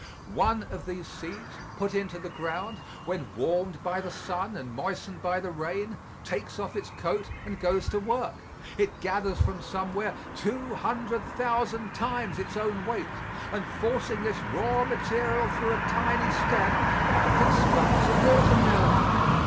One of these seeds, put into the ground, when warmed by the sun and moistened by the rain, takes off its coat and goes to work; it gathers from somewhere two hundred thousand times its own weight, and forcing this raw material through a tiny stem, constructs a watermelon.